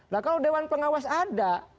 nah kalau dewan pengawas ada